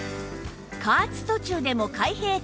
加圧途中でも開閉可能！